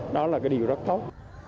đó là cái điều rất tốt